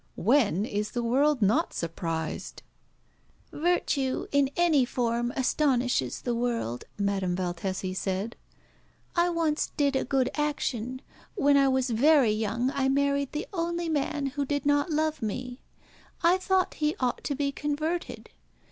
When is the world not surprised?" "Virtue in any form astonishes the world," Madame Valtesi said. "I once did a good action. When I was very young I married the only man who did not love me. I thought he ought to be converted.